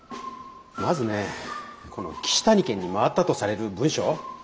まずねこの岸谷研に回ったとされる文書？